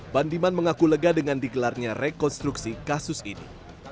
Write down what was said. bandiman mengaku lega dengan digelarnya rekonstruksi kasus ini